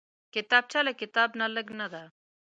کتابچه له کتاب نه لږ نه ده